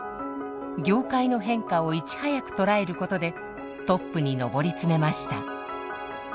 業界の変化をいち早く捉えることでトップに上り詰めました。